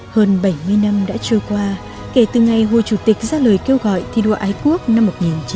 hơn bảy mươi năm đã trôi qua kể từ ngày hồ chủ tịch ra lời kêu gọi thi đua ái quốc năm một nghìn chín trăm bảy mươi